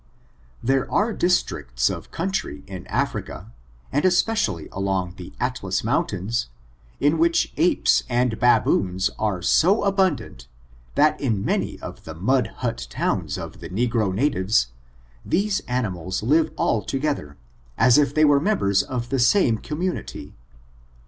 There are districts of country in Africa, and espe cially along the Atlas mountains, in which apes and baboons are so abundant, that in many of the mud hut towns of the negro natives, these animals live all together, as if they were members of the same com munity.